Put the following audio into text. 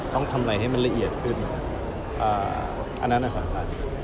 ต้องทำอะไรให้มันละเอียดขึ้นอันนั้นสำคัญ